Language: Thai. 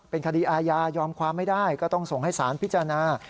เป็นคดีอาญายอมความไม่ได้ก็ต้องส่งให้สารพิจารณา